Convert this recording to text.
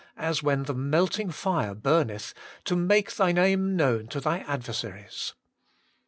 as when the melting fire burneth, to make Thy name known to Thy adversaries